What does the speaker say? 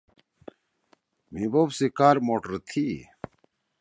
مھی بوپ سی کار موٹر تُھو۔